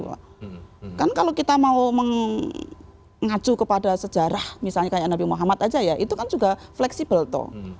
kan kalau kita mau mengacu kepada sejarah misalnya kayak nabi muhammad aja ya itu kan juga fleksibel tuh